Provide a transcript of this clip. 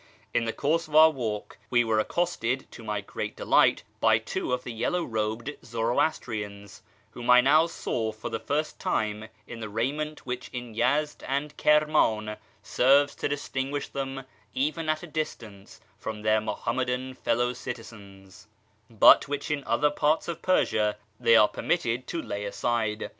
In the course of our walk we were accosted, to my great delight, by two of the yellow robed Zoroastrians, whom I now saw for the first time in the raiment which in Yezd and Kirman serves to distinguish them, even at a distance, from their Muham madan fellow citizens, but which in other parts of Persia they are permitted to lay aside.